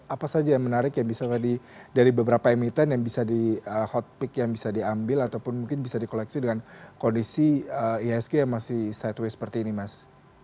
apa saja yang menarik yang bisa dari beberapa emiten yang bisa di hotpik yang bisa diambil ataupun mungkin bisa di koleksi dengan kondisi ihsg yang masih sideway seperti ini mas